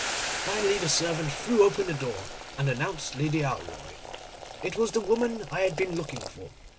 Finally the servant threw open the door, and announced Lady Alroy. It was the woman I had been looking for.